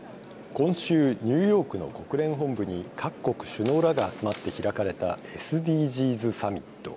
今週、ニューヨークの国連本部に各国首脳らが集まって開かれたＳＤＧｓサミット。